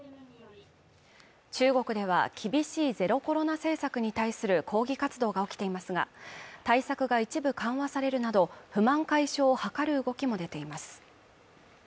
中国では厳しいゼロコロナ政策に対する抗議活動が起きていますが対策が一部緩和されるなど不満解消を図る動きも出ています